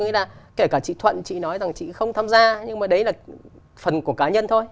nghĩa là kể cả chị thuận chị nói rằng chị không tham gia nhưng mà đấy là phần của cá nhân thôi